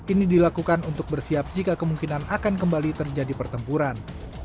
ini dilakukan untuk bersiap jika kemungkinan akan kembali terjadi pertempuran